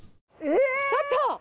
ちょっと！